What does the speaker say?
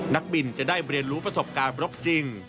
นักบินจะได้เรียนรู้ประสบการณ์รบจริง